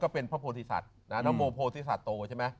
ก็เป็นพระโภทธิสัตว์นับโมโภทธิสัตว์โต